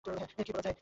কি বলা যায়?